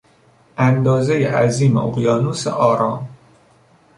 اندازهی عظیم اقیانوس آرام